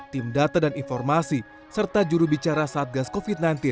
tim data dan informasi serta jurubicara satgas covid sembilan belas